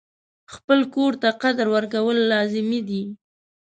خپل کور ته قدر ورکول لازمي دي.